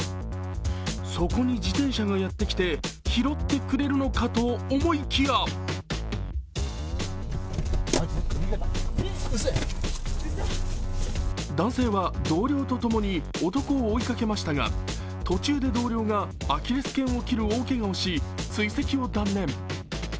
そこに自転車がやってきて拾ってくれるのかと思いきや男性は同僚と共に男を追いかけましたが、途中で同僚がアキレスけんを切る大けがをし、追跡を断念。